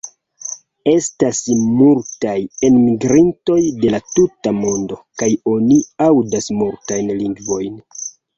Estas multaj enmigrintoj de la tuta mondo, kaj oni aŭdas multajn lingvojn.